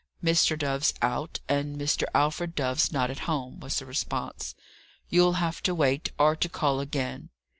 "Mr. Dove's out, and Mr. Alfred Dove's not at home," was the response. "You'll have to wait, or to call again."